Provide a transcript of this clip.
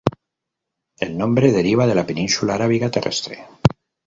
El nombre deriva de la península arábiga terrestre.